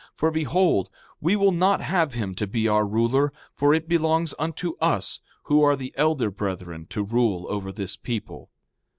For behold, we will not have him to be our ruler; for it belongs unto us, who are the elder brethren, to rule over this people.